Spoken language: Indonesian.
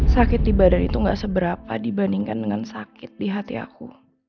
sakit di badan itu gak seberapa dibandingkan dengan sakit di hati aku